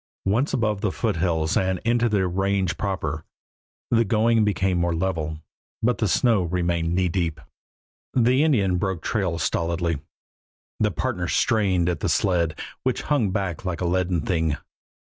Once above the foothills and into the range proper, the going became more level, but the snow remained knee deep. The Indian broke trail stolidly; the partners strained at the sled, which hung back like a leaden thing.